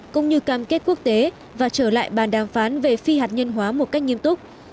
cũng như cam kết quốc tế và trở lại bàn đàm phán về phi hạt nhân hóa một cách nghiêm túc